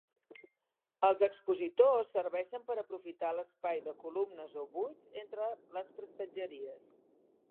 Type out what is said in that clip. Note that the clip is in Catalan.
Els expositors serveixen per aprofitar l'espai de columnes o buits entre les prestatgeries.